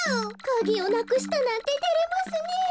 カギをなくしたなんててれますねえ。